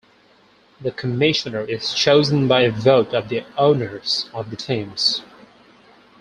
The commissioner is chosen by a vote of the owners of the teams.